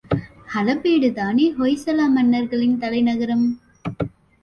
ஹலபேடு தானே ஹொய்சல மன்னர்களின் தலைகரம்!